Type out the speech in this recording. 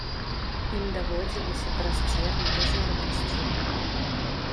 Ім даводзілася праз церні да зорак ісці.